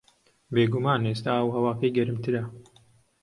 بێگومان ئێستا ئاو و ھەواکەی گەرمترە